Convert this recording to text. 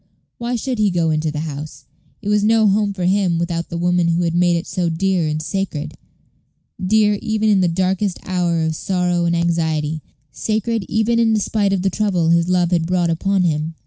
Why should he go into the house? It was no home for him without the woman who had made it so dear and sacred dear even in the darkest hour of sorrow and anxiety, sacred even in despite of the trouble his love had brought upon him.